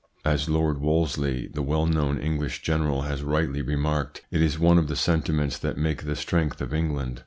As Lord Wolseley, the well known English general, has rightly remarked, it is one of the sentiments that make the strength of England.